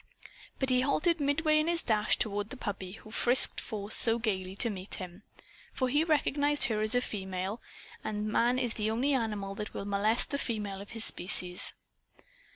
But he halted midway in his dash toward the puppy who frisked forth so gayly to meet him. For he recognized her as a female. And man is the only animal that will molest the female of his species.